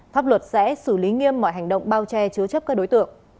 pháp luật sẽ xử lý nghiêm mọi hành động bao che chứa chấp các đối tượng